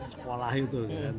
sekolah itu kan